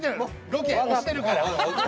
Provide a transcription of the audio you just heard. ロケ押してるから。